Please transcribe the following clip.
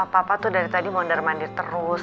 papa tuh dari tadi mondar mandir terus